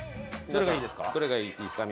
どれがいいですか？